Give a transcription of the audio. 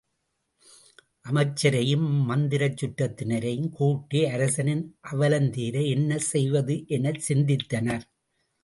அமைச்சரையும் மந்திரச் சுற்றத்தினரையும் கூட்டி அரசனின் அவலந்தீர என்ன செய்வது எனச் சிந்தித்தனர்.